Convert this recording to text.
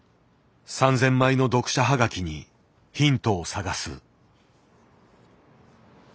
３，０００枚の読者ハガキにヒントを探す。